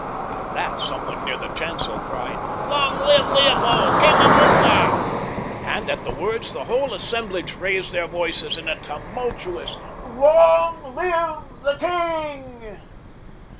At that someone near the chancel cried: "Long live Leopold, king of Lutha!" and at the words the whole assemblage raised their voices in a tumultuous: "Long live the king!"